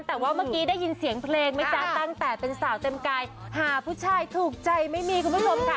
แต่ว่าเมื่อกี้ได้ยินเสียงเพลงไหมจ๊ะตั้งแต่เป็นสาวเต็มกายหาผู้ชายถูกใจไม่มีคุณผู้ชมค่ะ